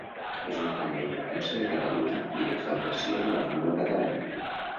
És un cant d'enyorança de Catalunya i d'exaltació de la llengua catalana.